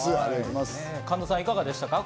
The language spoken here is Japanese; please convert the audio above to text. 神田さん、いかがでしたか？